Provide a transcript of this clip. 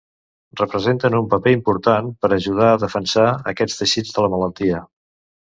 Representen un paper important per ajudar a defensar aquests teixits de la malaltia.